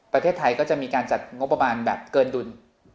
ประเทศไทยก็จะมีการจัดงบประมาณแบบเกินดุล